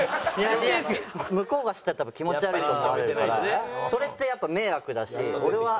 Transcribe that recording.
向こうが知ったら多分気持ち悪いと思われるからそれってやっぱ迷惑だし俺は。